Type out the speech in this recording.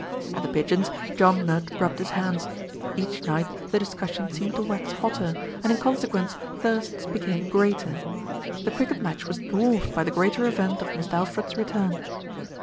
At The Pigeons, John Nudd rubbed his hands. Each night the discussion seemed to wax hotter, and in con sequence thirsts became greater. The cricket match was dwarfed by the greater event of Mist' Alfred's return.